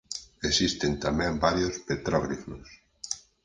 Existen tamén varios petróglifos.